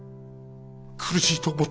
苦しいと思っていい。